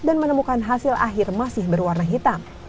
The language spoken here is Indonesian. dan menemukan hasil akhir masih berwarna hitam